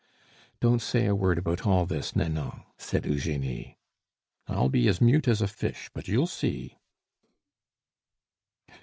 "Don't say a word about all this, Nanon," said Eugenie. "I'll be as mute as a fish; but you'll see!"